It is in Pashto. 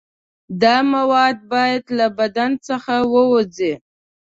دا مواد باید له بدن څخه ووځي.